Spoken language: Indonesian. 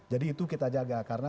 jadi itu kita jaga karena